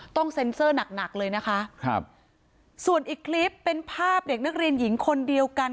ต้องเซ็นเซอร์หนักหนักเลยนะคะครับส่วนอีกคลิปเป็นภาพเด็กนักเรียนหญิงคนเดียวกัน